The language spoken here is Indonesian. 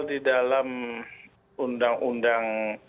di dalam undang undang